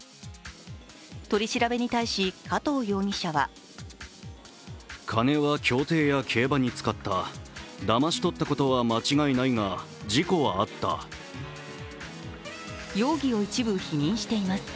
取り調べに対し、加藤容疑者は容疑を一部否認しています。